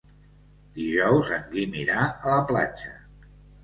Dijous en Guim irà a la platja.